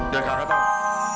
dan kakak tau